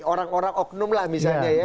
orang orang oknum lah misalnya ya